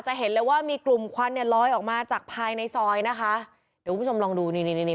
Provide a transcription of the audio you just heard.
เห็นเลยว่ามีกลุ่มควันเนี่ยลอยออกมาจากภายในซอยนะคะเดี๋ยวคุณผู้ชมลองดูนี่นี่นี่